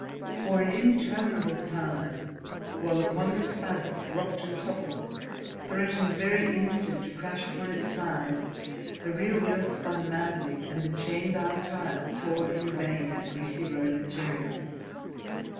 For an interminable time, while the ponderous fabric rocked and toppled, threatening very instant to crash upon its side, the rear wheels spun madly and the chain bound tires tore in vain at greasy road metal.